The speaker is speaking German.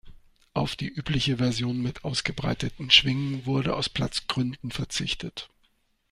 Auf die übliche Version mit ausgebreiteten Schwingen wurde aus Platzgründen verzichtet.